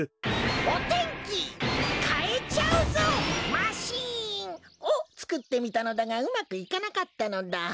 お天気かえちゃうぞマシーン！をつくってみたのだがうまくいかなかったのだ。